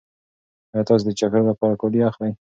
ایا تاسې د چکر لپاره کالي اخلئ؟